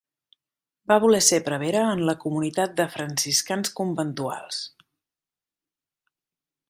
Va voler ser prevere en la comunitat de franciscans conventuals.